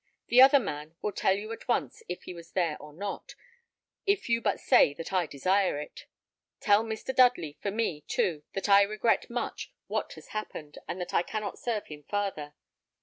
The other man will tell you at once if he was there or not, if you but say that I desire it. Tell Mr. Dudley, for me, too, that I regret much what has happened, and that I cannot serve him farther.